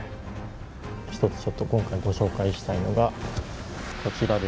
１つちょっと今回ご紹介したいのがこちらですね。